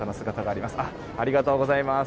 ありがとうございます。